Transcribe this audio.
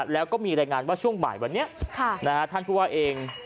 แล้วก็มีรายงานว่าช่วงบ่ายวันนี้ท่านผู้ว่าเอง